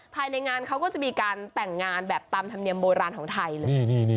ภายในงานเขาก็จะมีการแต่งงานแบบตามธรรมเนียมโบราณของไทยเลย